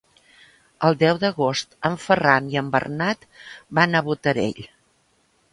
El deu d'agost en Ferran i en Bernat van a Botarell.